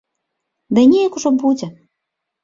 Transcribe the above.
Ды неяк ужо будзе.